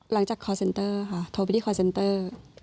หลังจากคอร์ลเซนเตอร์ค่ะโทรไปที่คอร์ลเซนเตอร์